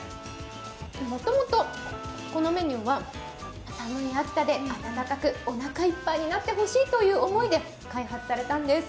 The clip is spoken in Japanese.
もともとこのメニューは寒い秋田でおなかいっぱいになって欲しいという思いで開発されたんです。